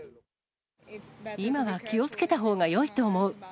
今は気をつけたほうがよいと思う。